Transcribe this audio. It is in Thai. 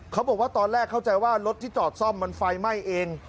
เขาบอกว่าตอนแรกเข้าใจว่ารถที่จอดซ่อมมันไฟไหม้เอง